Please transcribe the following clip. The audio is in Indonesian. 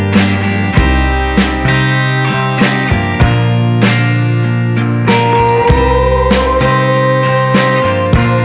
terima kasih banyak om tante